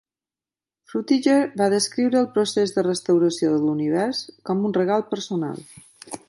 Frutiger va descriure el procés de restauració d'Univers com un regal personal.